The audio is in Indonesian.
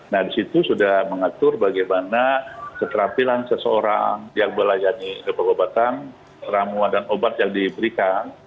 nah disitu sudah mengatur bagaimana keterampilan seseorang yang melayani pengobatan ramuan dan obat yang diberikan